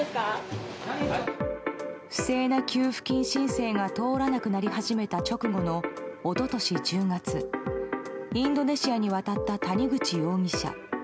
不正な給付金申請が通らなくなり始めた直後の一昨年１０月インドネシアに渡った谷口容疑者。